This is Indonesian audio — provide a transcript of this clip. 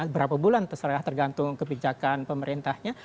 berapa bulan terserah tergantung kebijakan pemerintahnya